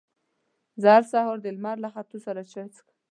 زه هر سهار د لمر له ختو سره چای څښم.